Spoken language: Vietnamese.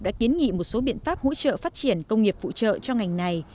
đã kiến nghị một số biện pháp hỗ trợ phát triển công nghiệp phụ trợ cho ngành này